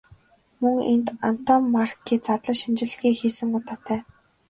Мөн энд Антоммарки задлан шинжилгээ хийсэн удаатай.